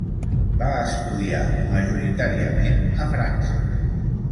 Va estudiar majoritàriament a França.